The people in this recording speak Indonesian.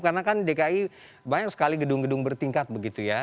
karena kan dki banyak sekali gedung gedung bertingkat begitu ya